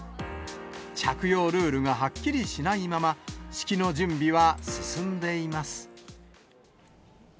着用ルールがはっきりしないまま、式の準備は進んでいます。